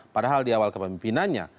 padahal di awal kepemimpinannya